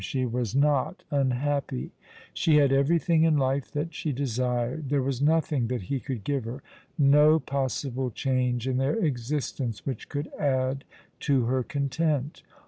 She was not unhappy. She had everything in life that she desired. There was nothing that he could give her, no possible change in their existence which could add to her content.